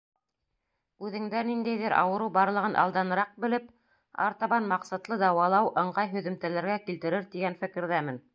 Үҙеңдә ниндәйҙер ауырыу барлығын алданыраҡ белеп, артабан маҡсатлы дауалау ыңғай һөҙөмтәләргә килтерер тигән фекерҙәмен